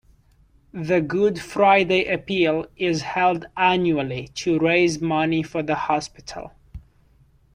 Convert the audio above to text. The Good Friday Appeal is held annually to raise money for the hospital.